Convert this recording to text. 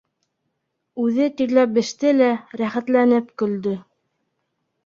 Үҙе тирләп беште лә рәхәтләнеп көлдө: